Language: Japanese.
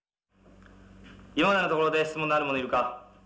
今までのところで質問のある者いるか？